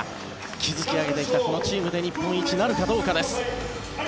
築き上げてきたこのチームで日本一なるかどうかです。